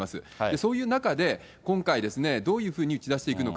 そういう中で、今回、どういうふうに打ち出していくのか。